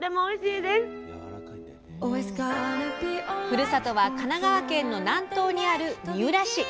ふるさとは神奈川県の南東にある三浦市。